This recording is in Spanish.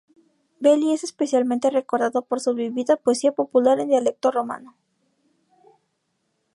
Belli es especialmente recordado por su vívida poesía popular en dialecto romano.